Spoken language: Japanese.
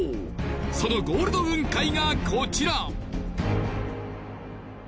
そのゴールド雲海がコチラ！